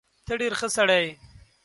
ته ډېر ښه سړی يې.